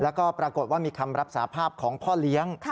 แล้วก็ปรากฏว่ามีคำรับสาภาพของพ่อเลี้ยง